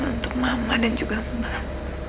untuk mama dan juga mbak